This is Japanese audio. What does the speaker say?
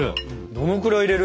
どのくらい入れる？